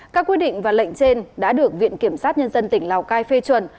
các quyết định và lệnh trên đã được viện kiểm sát nhân dân tỉnh lào cai phê chuẩn